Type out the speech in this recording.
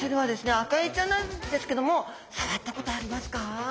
アカエイちゃんなんですけども触ったことありますか？